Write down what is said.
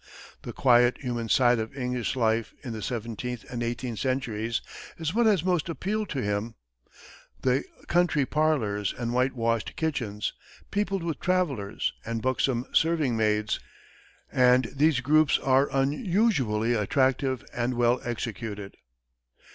The quiet, human side of English life in the seventeenth and eighteenth centuries is what has most appealed to him, the country parlors and white washed kitchens, peopled with travellers and buxom serving maids, and these groups are unusually attractive and well executed.